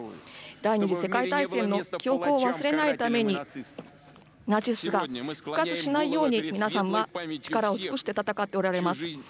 第２次世界大戦の記憶を忘れないために、ナチスが復活しないように皆さんは力を尽くして戦っておられます。